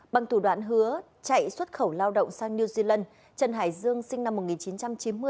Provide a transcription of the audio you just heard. bằng thủ đoạn hứa chạy xuất khẩu lao động sang new zealand trần hải dương sinh năm một nghìn chín trăm chín mươi